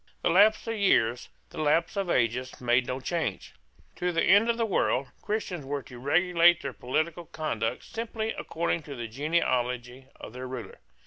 The lapse of years, the lapse of ages, made no change. To the end of the world, Christians were to regulate their political conduct simply according to the genealogy of their ruler.